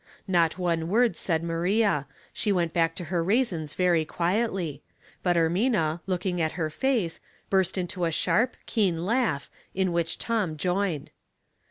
Not one word said Maria, she went back to her raisins very quietly ; but Ermina, looking at her face, burst into a sharp, keen laugh, in which Tom joined.